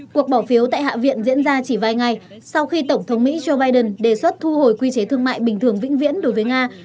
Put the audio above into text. cuộc bỏ phiếu tại hạ viện diễn ra chỉ vài ngày sau khi tổng thống mỹ joe biden đề xuất thu hồi quy chế thương mại bình thường vĩnh viễn đối với nga